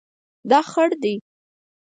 دا خړ دی